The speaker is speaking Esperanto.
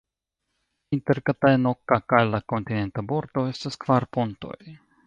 Inter Katajanokka kaj la kontinenta bordo estas kvar pontoj.